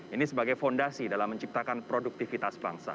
ini sebagai fondasi dalam menciptakan produktivitas bangsa